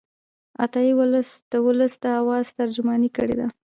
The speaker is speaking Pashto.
عطايي د ولس د آواز ترجماني کړې ده.